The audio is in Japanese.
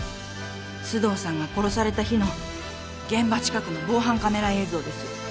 須藤さんが殺された日の現場近くの防犯カメラ映像です。